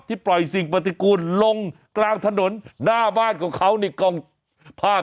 ปล่อยสิ่งปฏิกูลลงกลางถนนหน้าบ้านของเขาในกองผ้า